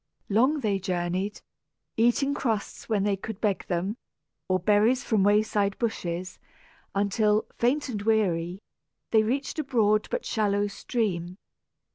Long they journeyed, eating crusts when they could beg them, or berries from wayside bushes, until, faint and weary, they reached a broad but shallow stream.